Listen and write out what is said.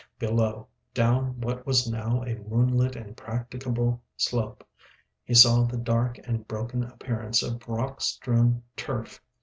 Below, down what was now a moon lit and practicable slope, he saw the dark and broken appearance of rock strewn turf.